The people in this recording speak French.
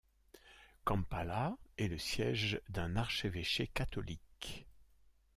Kampala est le siège d'un archevêché catholique.